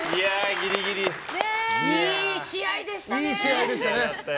ギリギリ！いい試合でしたね。